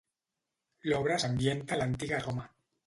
L'obra s'ambienta a l'Antiga Roma.